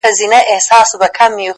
منم د قاف د شاپېريو حُسن;